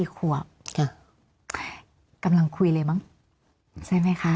มีความรู้สึกว่าเสียใจ